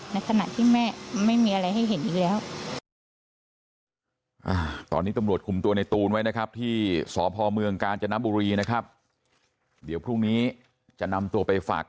ในขณะที่แม่ไม่มีอะไรให้เห็นอีกแล้ว